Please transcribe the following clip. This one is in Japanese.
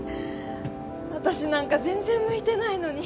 私なんか全然向いてないのに。